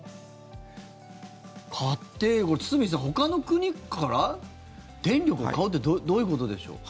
買って堤さん、ほかの国から電力を買うってどういうことでしょう。